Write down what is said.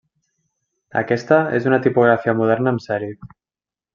Aquesta és una tipografia Moderna amb Serif.